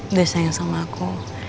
udah sayang sama aku